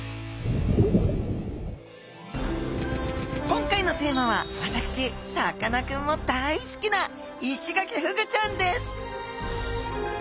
今回のテーマは私さかなクンも大好きなイシガキフグちゃんです！